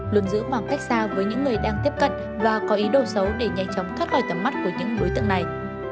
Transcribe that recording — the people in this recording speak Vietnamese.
luôn giữ khoảng cách xa với những người đang tiếp cận và có ý đồ xấu để nhanh chóng thoát khỏi tầm mắt của những đối tượng này